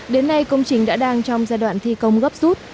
đến nay công trình đã đang trong giai đoạn thi công gấp rút